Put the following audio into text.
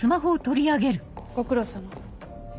ご苦労さま。